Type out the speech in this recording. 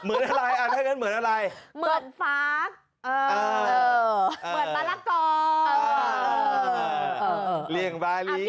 เหมือนอะไรอ่านให้กันเหมือนอะไร